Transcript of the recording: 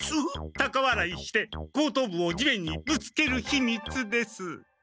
たかわらいして後頭部を地面にぶつけるひみつです。